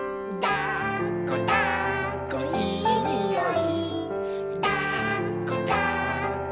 「だっこだっこいいにおい」